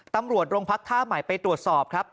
ตำรวจโรงพักท่าใหม่ไปตรวจสอบครับ